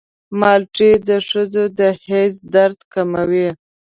مالټې د ښځو د حیض درد کموي.